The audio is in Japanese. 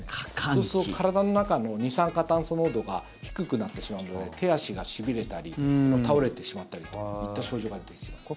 そうすると体の中の二酸化炭素濃度が低くなってしまうので手足がしびれたり倒れてしまったりといった症状が出てきてしまいます。